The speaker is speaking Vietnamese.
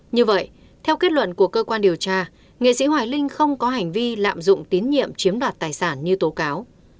như vậy theo kết luận của cơ quan điều tra nghệ sĩ hoài linh không có hành vi lạm dụng tín nhiệm chiếm đoạt tài sản như tố cáo